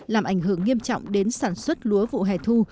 làm ảnh hưởng nghiêm trọng đến sản xuất lúa vụ hè thu